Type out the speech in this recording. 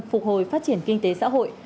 phục hồi phát triển dịch covid một mươi chín